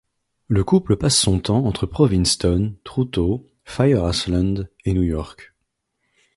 Le couple passe son temps entre Provincetown, Truto, Fire Island et New York.